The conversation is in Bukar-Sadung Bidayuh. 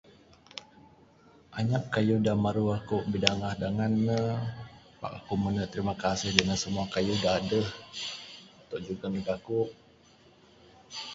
Anyap kayuh da aku maru bidangah dangan ne pak aku mene trima kasih kayuh da adeh untuk jugon neg aku.